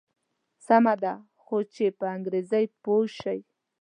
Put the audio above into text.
سمه ده خو چې په انګریزي پوی شي.